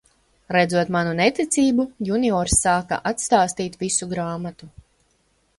Redzot manu neticību, juniors sāka atstāstīt visu grāmatu.